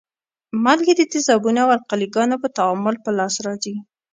مالګې د تیزابو او القلي ګانو په تعامل په لاس راځي.